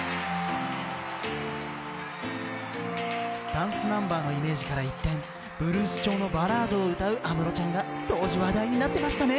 ダンスナンバーのイメージから一転、ブルース調のバラードを歌う安室ちゃんが当時、話題になってましたね。